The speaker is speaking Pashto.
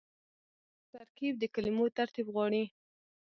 ترکیب د کلمو ترتیب غواړي.